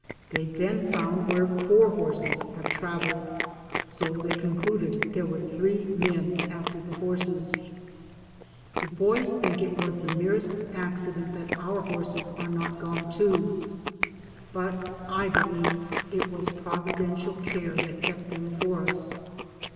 They then found where four horses had traveled, so they concluded there were three men after the horses. The bovs think it was the merest accident 214 DAYS ON THE ROAD. that our horses are not gone too, but I be lieve it was providential care that kept them for us.